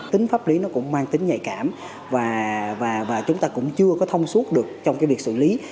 tính pháp lý nó cũng mang tính nhạy cảm và chúng ta cũng chưa có thông suốt được trong cái việc xử lý